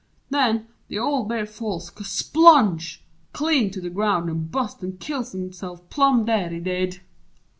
Nen The old Bear falls k splunge! clean to the ground An' bust an' kill hisse'f plum dead, he did!